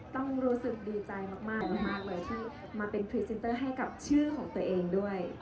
ต้องรู้สึกดีใจมากเลยที่มาเป็นพรีเซนเตอร์ให้กับชื่อของตัวเองด้วย